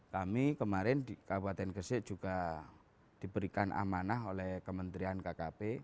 kami kemarin di kabupaten gresik juga diberikan amanah oleh kementerian kkp